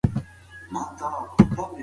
که سوله وي نو کلتوري فعالیتونه ډېر کیږي.